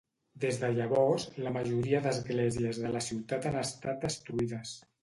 Des de llavors, la majoria d'esglésies de la ciutat han estat destruïdes.